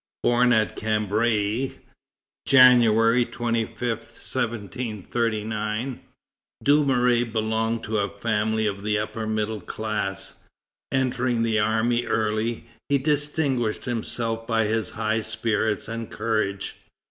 Born at Cambrai, January 25, 1739, Dumouriez belonged to a family of the upper middle class. Entering the army early, he distinguished himself by his high spirits and courage.